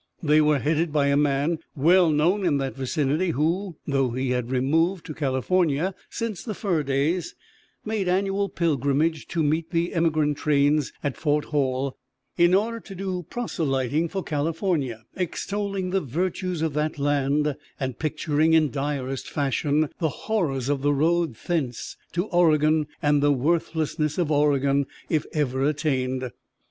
They were headed by a man well known in that vicinity who, though he had removed to California since the fur days, made annual pilgrimage to meet the emigrant trains at Fort Hall in order to do proselyting for California, extolling the virtues of that land and picturing in direst fashion the horrors of the road thence to Oregon and the worthlessness of Oregon if ever attained.